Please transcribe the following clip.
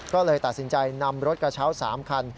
ก็เลยตัดสินใจนำรถกระเช้า๓คัน